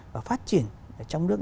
và phát triển ở trong nước